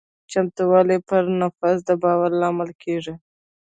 چمتووالی پر نفس د باور لامل کېږي.